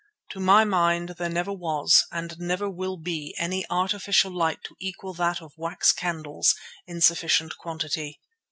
To my mind there never was and never will be any artificial light to equal that of wax candles in sufficient quantity.